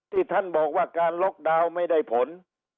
ที่ท่านบอกว่าการล็อกดาวน์ไม่ได้ผล